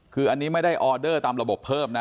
คืออันนี้ไม่ได้ออเดอร์ตามระบบเพิ่มนะ